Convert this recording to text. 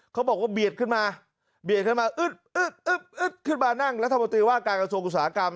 เขาบอกว่าเบียดขึ้นมาเบียดขึ้นมาอึ๊ดขึ้นมานั่งรัฐมนตรีว่าการกระทรวงอุตสาหกรรม